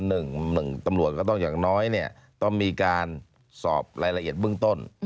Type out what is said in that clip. หนึ่งตำรวจก็ต้องอย่างน้อยเนี่ยต้องมีการสอบรายละเอียดเบื้องต้น